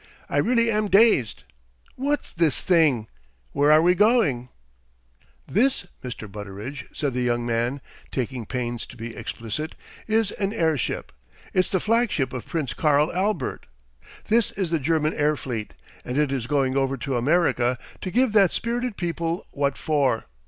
"I really am dazed. What's this thing? Where are we going?" "This, Mr. Butteridge," said the young man, taking pains to be explicit, "is an airship. It's the flagship of Prince Karl Albert. This is the German air fleet, and it is going over to America, to give that spirited people 'what for.'